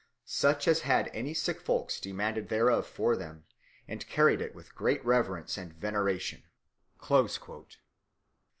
Such as had any sick folks demanded thereof for them, and carried it with great reverence and veneration."